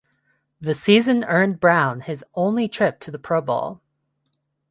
The season earned Brown his only trip to the Pro Bowl.